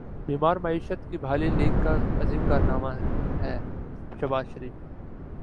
بیمار معیشت کی بحالی لیگ کا عظیم کارنامہ ہے شہباز شریف